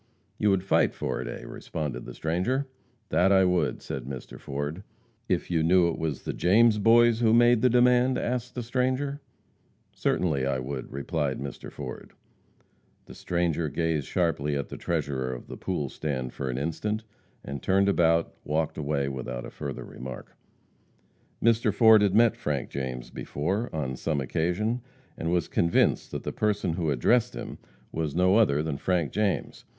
"You would fight for it, eh?" responded the stranger. "That I would," said Mr. Ford. "If you knew it was the James Boys who made the demand?" asked the stranger. "Certainly I would," replied Mr. Ford. The stranger gazed sharply at the treasurer of "the pool stand" for an instant, and, turning about, walked away without further remark. Mr. Ford had met Frank James before, on some occasion, and was convinced that the person who addressed him was no other than Frank James.